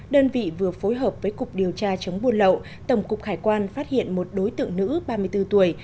đơn vị vừa phối hợp với cục điều tra chống buôn lậu tổng cục hải quan phát hiện một đối tượng nữ ba mươi bốn tuổi